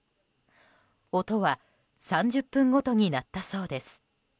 音は３０分ごとに鳴ったそうです。